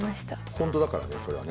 本当だからねそれはね。